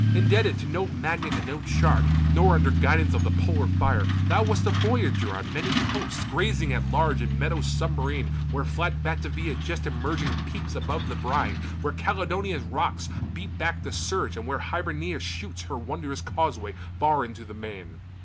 Indebted to no magnet and no chart, Nor under guidance of the polar fire, Thou wast a voyager on many coasts, Grazing at large in meadows submarine, Where flat Batavia just emerging peeps Above the brine, where Caledonia's rocks Beat back the surge, and where Hibernia shoots Her wondrous causeway far into the main.